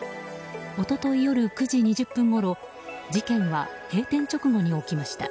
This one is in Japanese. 一昨日夜９時２０分ごろ事件は閉店直後に起きました。